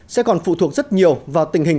sẽ còn phụ thuộc rất nhiều vào tình hình